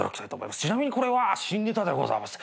ちなみにこれは新ネタでございます。